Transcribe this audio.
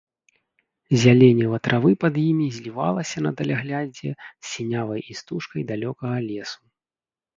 Зяленіва травы пад імі злівалася на даляглядзе з сінявай істужкай далёкага лесу.